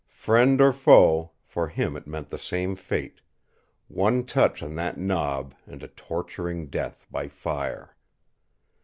Friend or foe, for him it meant the same fate one touch on that knob and a torturing death by fire.